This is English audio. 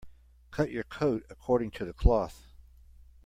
Cut your coat according to the cloth.